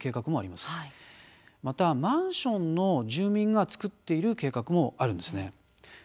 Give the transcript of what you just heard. またマンションの住民が作っている計画もあるんです。